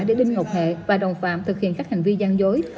để đinh ngọc hệ và đồng phạm thực hiện các hành vi gian dối